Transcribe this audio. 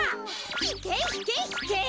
ひけひけひけ！